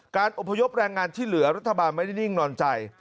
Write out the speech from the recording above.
การอบพยพแรงงานที่เหลือรัฐบาลไม่ได้นิ่งนอนใจ